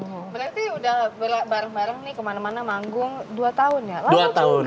berarti udah bareng bareng nih kemana mana manggung dua tahun ya